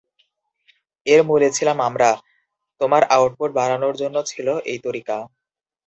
এর মূলে ছিলাম আমরা, তোমার আউটপুট বাড়ানোর জন্য ছিল এই তরিকা।